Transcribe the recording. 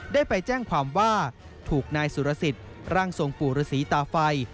ได้ไปแจ้งความว่าถูกนายสุรสิทธิ์ร่างทรงปู่ฤษีตาไฟ